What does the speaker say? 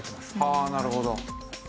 はあなるほど。